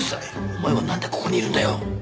お前はなんでここにいるんだよ？